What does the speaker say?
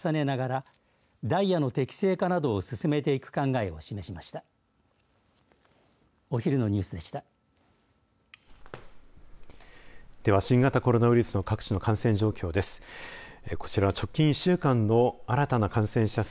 では、新型コロナウイルスの各地の感染状況です。